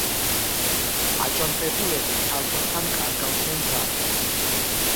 აჯანყებულები თანდათან კარგავდნენ ძალებს.